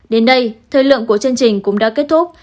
đến đây thời lượng của chương trình cũng đã kết thúc